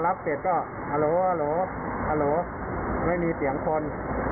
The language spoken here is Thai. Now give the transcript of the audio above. รับเสร็จก็ฮัลโหลฮัลโหลฮัลโหลไม่มีเสียงคน